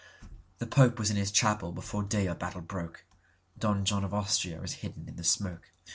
The Pope was in his chapel before day or battle broke,(Don John of Austria is hidden in the smoke.)